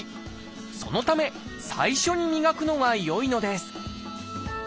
そのため最初に磨くのがよいのです。